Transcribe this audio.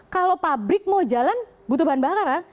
kalau pabrik mau jalan butuh bahan bakar kan